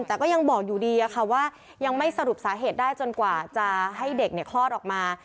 แต่ก็ยังบอกอยู่ดีว่ายังไม่สรุปสาเหตุได้จนกว่าจะให้เด็กคลอดออกมา